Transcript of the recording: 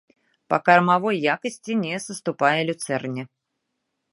Па кармавой якасці не саступае люцэрне.